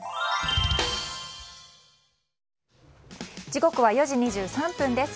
時刻は４時２３分です。